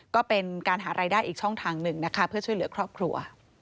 ก็เป็นการหารายได้อีกช่องทางหนึ่งนะคะเพื่อช่วยเหลือครอบครัว